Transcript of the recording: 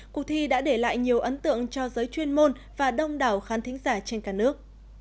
cuộc thi đã để lại nhiều ấn tượng cho giới chuyên môn và đông đảo khán thính giả trên cả nước